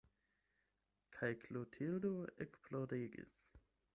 Kaj Klotildo ekploregis.